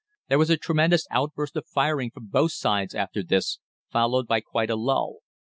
There was a tremendous outburst of firing from both sides after this, followed by quite a lull.